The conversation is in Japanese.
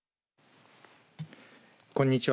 こんにちは。